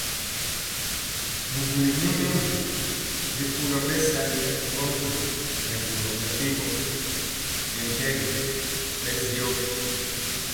Bubuli nyɛmemɔ rikolo bɛsali ŋgomnaŋ nɛ boro mepempɔ mɛmpegi bɛndiɔ.